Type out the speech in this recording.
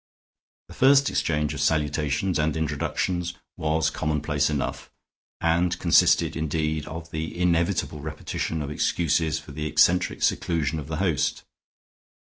The first exchange of salutations and introductions was commonplace enough, and consisted, indeed, of the inevitable repetition of excuses for the eccentric seclusion of the host.